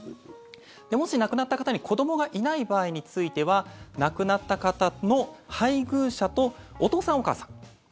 もし、亡くなった方に子どもがいない場合については亡くなった方の配偶者とお父さん、お母さん。